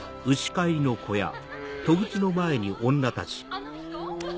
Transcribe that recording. あの人？